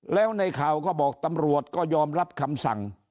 แล้วในข่าวก็บอกตำรวจก็ยอมรับคำสั่ง